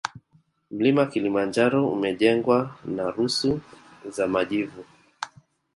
Mlima kilimanjaro umejengwa na rusu za majivu